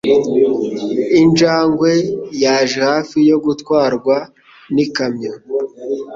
Injangwe yaje hafi yo gutwarwa n'ikamyo.